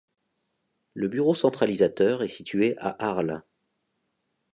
Le bureau centralisateur est situé à Arles.